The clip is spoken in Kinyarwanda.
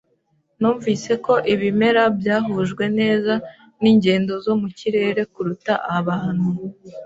Numvise ko ibimera byahujwe neza ningendo zo mu kirere kuruta abantu.